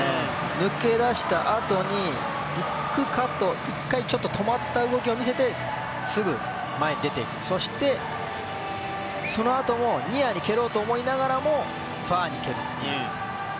抜け出したあとに１回ちょっと止まった動きを見せてすぐ前に出て行ってそして、そのあともニアに蹴ろうと思いながらもファーに蹴るという。